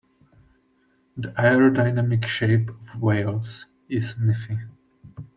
The aerodynamic shape of whales is nifty.